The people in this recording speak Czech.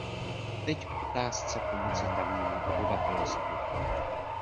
Teď k otázce pomoci tamnímu obyvatelstvu.